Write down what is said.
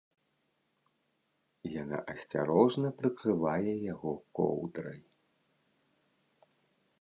Яна асцярожна прыкрывае яго коўдрай.